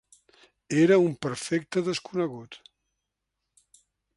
Era un perfecte desconegut.